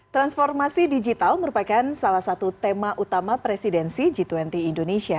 transformasi digital merupakan salah satu tema utama presidensi g dua puluh indonesia